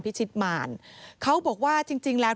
ที่มันก็มีเรื่องที่ดิน